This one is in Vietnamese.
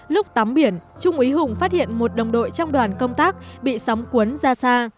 lúc tắm biển trung ý hùng phát hiện một đồng đội trong đoàn công tác bị sóng cuốn ra xa